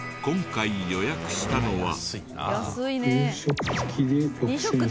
今回予約したのは。